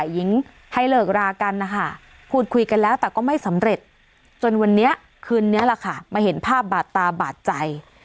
หน้าละค่ะก็เลยจะต้องก่อเหตุแบบนี้